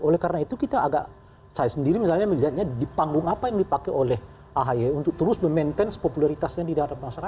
oleh karena itu kita agak saya sendiri misalnya melihatnya di panggung apa yang dipakai oleh ahy untuk terus memaintain popularitasnya di dalam masyarakat